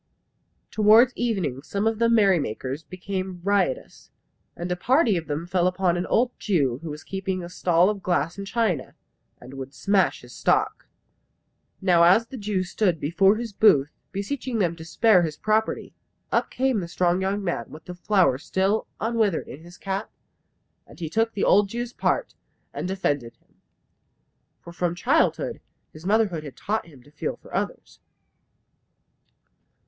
Towards evening some of the merrymakers became riotous; and a party of them fell upon an old Jew who was keeping a stall of glass and china, and would smash his stock. Now as the Jew stood before his booth beseeching them to spare his property, up came the strong young man, with the flower still unwithered in his cap, and he took the old Jew's part and defended him. For from childhood his mother had taught him to feel for others.